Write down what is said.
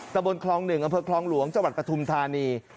ตะโบนคลองส๑อาบเพิศส๑คลองหลวงอจะวัดประทุมธานี